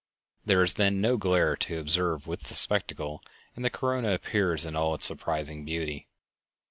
There is then no glare to interfere with the spectacle, and the corona appears in all its surprising beauty.